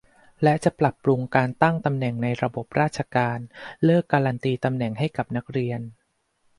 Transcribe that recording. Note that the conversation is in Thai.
และจะปรับปรุงการตั้งตำแหน่งในระบบราชการ เลิกการันตีตำแหน่งให้กับนักเรียน